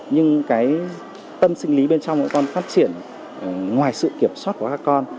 nhưng cái tâm sinh lý bên trong các con phát triển ngoài sự kiểm soát của các con